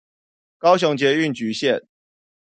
高雄捷運橘線